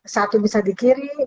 satu bisa di kiri